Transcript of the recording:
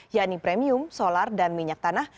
yakni premium solar dan minyak tanah